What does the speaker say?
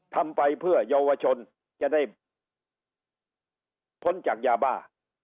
ทำไปเพื่อเยาวชนจะได้พ้นจากยาบ้า